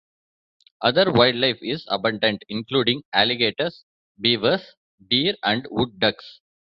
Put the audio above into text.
Other wildlife is abundant, including alligators, beavers, deer, and wood ducks.